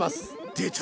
出た！